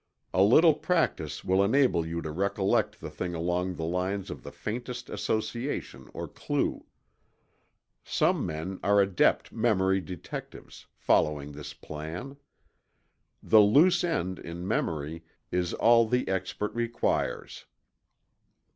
A little practice will enable you to recollect the thing along the lines of the faintest association or clue. Some men are adept memory detectives, following this plan. The "loose end" in memory is all the expert requires.